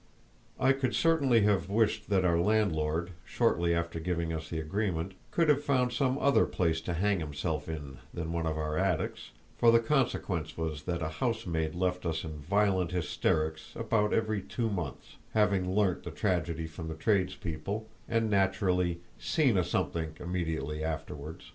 I could certainly have wished that our landlord, shortly after giving us the agreement, could have found some other place to hang himself in than one of our attics, for the consequence was that a housemaid left us in violent hysterics about every two months, having learned the tragedy from the tradespeople, and naturally "seen a somethink" immediately afterward.